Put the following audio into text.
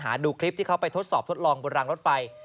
ดูคลิปที่เขาไปทดสอบทดลองบนรางรถไฟ